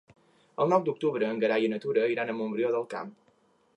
El nou d'octubre en Gerai i na Tura iran a Montbrió del Camp.